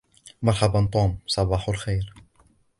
مرحباً, توم. صباح الخير.